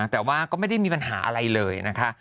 แต่ว่าก็ไม่ได้มีปัญหาอะไรเลยนะคะ